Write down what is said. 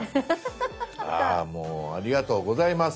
あもうありがとうございます。